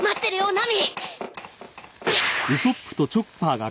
ナミ！